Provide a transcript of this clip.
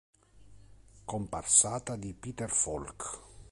Comparsata di Peter Falk.